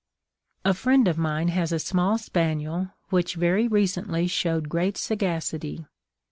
A friend of mine has a small spaniel, which very recently showed great sagacity.